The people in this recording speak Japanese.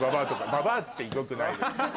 ババアって良くないです。